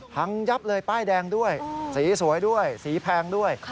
ยับเลยป้ายแดงด้วยสีสวยด้วยสีแพงด้วย